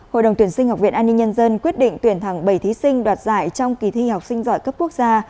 hội đồng tuyển sinh học viện an ninh nhân dân quyết định tuyển thẳng bảy thí sinh đoạt giải trong kỳ thi học sinh giỏi cấp quốc gia